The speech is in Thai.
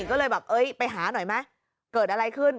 ก็เลยแบบเอ้ยไปหาหน่อยไหมเกิดอะไรขึ้น